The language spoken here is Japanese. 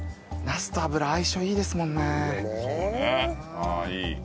ああいい。